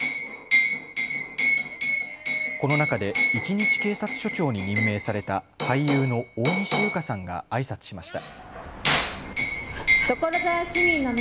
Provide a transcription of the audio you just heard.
この中で一日警察署長に任命された俳優の大西結花さんがあいさつしました。